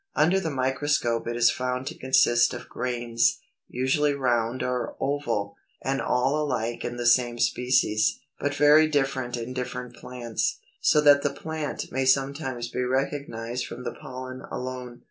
Under the microscope it is found to consist of grains, usually round or oval, and all alike in the same species, but very different in different plants. So that the plant may sometimes be recognized from the pollen alone.